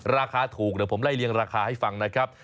ราคาถูกเดี๋ยวผมไล่เลี้ยราคาให้ฟังนะครับ